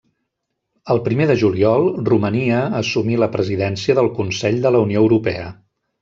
Al primer de juliol, Romania assumí la Presidència del Consell de la Unió Europea.